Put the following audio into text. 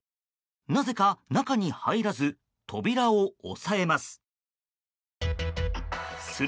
なぜか中に入らず扉を押さえます。